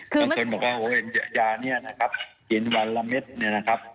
บางคนบอกว่ายาเนี่ยนะครับกินวันละเม็ดเนี่ยนะครับ